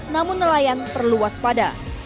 namun nelayan perlu waspada